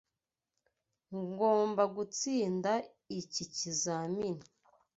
Ngomba gutsinda iki kizamini.